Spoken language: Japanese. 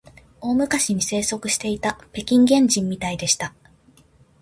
大昔に生息していた北京原人みたいでした